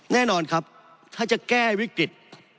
แน่นอนครับถ้าจะแก้วิกฤต